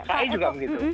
saya juga begitu